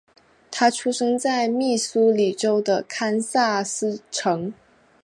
他出生在密苏里州的堪萨斯城。